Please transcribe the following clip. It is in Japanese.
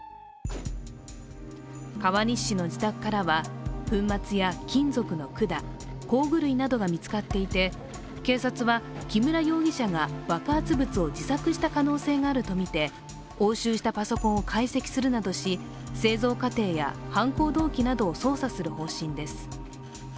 川西市の自宅からは粉末や金属の管、工具類などが見つかっていて、警察は木村容疑者が爆発物を自作した可能性があるとみて押収したパソコンを解析するなどし、製造過程や犯行動機などを捜査する方針です。